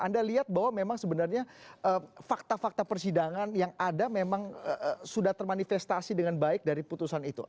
anda lihat bahwa memang sebenarnya fakta fakta persidangan yang ada memang sudah termanifestasi dengan baik dari putusan itu